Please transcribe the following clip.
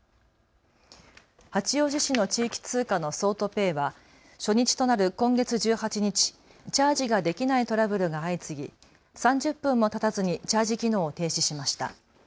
八王子市の地域通貨の桑都ペイは初日となる今月１８日、チャージができないトラブルが相次ぎ３０分もたたずにチャージ機能を停止しました。